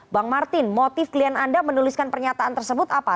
bang martin motif klien anda menuliskan pernyataan tersebut apa